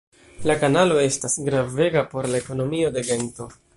La kanalo estas gravega por la ekonomio de Gento.